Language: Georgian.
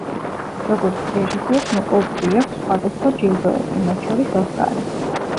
როგორც რეჟისორს, მოპოვებული აქვს სხვადასხვა ჯილდოები, მათ შორის ოსკარი.